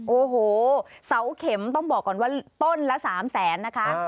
โอ้โหเสาเข็มต้องบอกก่อนว่าต้นละ๓แสนนะคะ